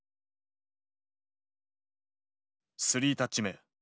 スリータッチ目。